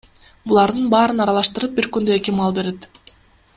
Булардын баарын аралаштырып, бир күндө эки маал берет.